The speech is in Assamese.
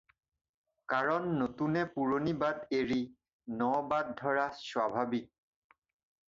কাৰণ নতুনে পুৰণি বাট এৰি ন-বাট ধৰা স্বাভাৱিক